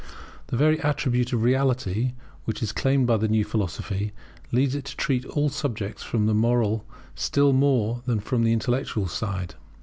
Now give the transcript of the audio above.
The very attribute of reality which is claimed by the new philosophy, leads it to treat all subjects from the moral still more than from the intellectual side.